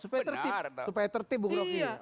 supaya tertib supaya tertib bung roky